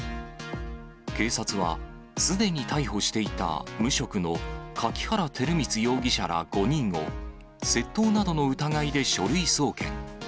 警察はすでに逮捕していた無職の蠣原照光容疑者ら５人を、窃盗などの疑いで書類送検。